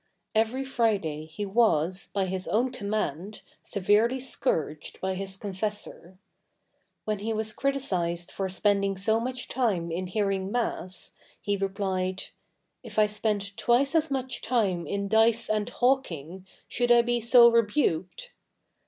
Every Friday he was, by his own command, severely scourged by his confessor. When he was criticized for spending so much time in hearing mass, he replied, "If I spent twice as much time in dice and hawking, should I be so rebuked?"